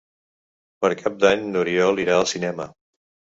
Per Cap d'Any n'Oriol irà al cinema.